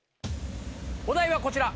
お題はこちら。